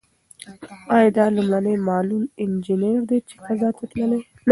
ایا دا لومړنۍ معلول انجنیر ده چې فضا ته تللې؟